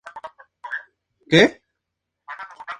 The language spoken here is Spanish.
Falleció víctima de la gripe española.